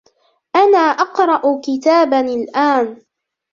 أنا أقرأ كتابا الآن.